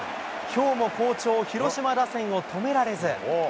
きょうも好調、広島打線を止められず。